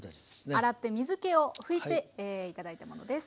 洗って水けを拭いていただいたものです。